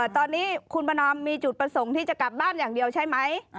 ตอนนี้คุณประนอมมีจุดประสงค์ที่จะกลับบ้านอย่างเดียวใช่ไหม